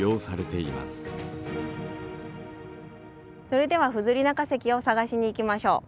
それではフズリナ化石を探しに行きましょう。